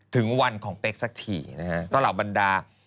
ถึงวันของเป๊กสักทีนะฮะก็เหล่าบรรดา